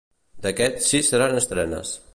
D'aquests, sis seran estrenes.